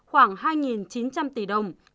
khoảng hai chín trăm linh tỷ đồng